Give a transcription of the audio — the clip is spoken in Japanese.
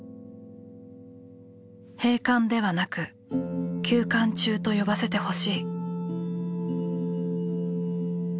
「閉館ではなく休館中と呼ばせてほしい」。